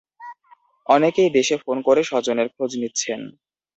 অনেকেই দেশে ফোন করে স্বজনের খোঁজ নিচ্ছেন।